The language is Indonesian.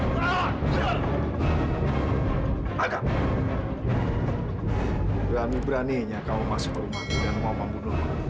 manusia keji hari ini aku masuk ke rumah itu dan membunuh orang tua aku